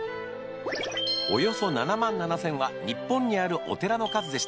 およそ７万７０００は日本にあるお寺の数でした。